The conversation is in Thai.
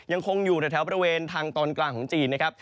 ยังคงอยู่ในแถวบริเวณทางตอนกลางของจีนนะครับ